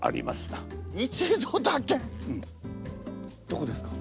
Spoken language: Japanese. どこですか？